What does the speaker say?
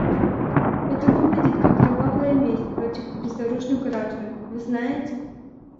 Это выглядит как кровавая месть против безоружных граждан, вы знаете.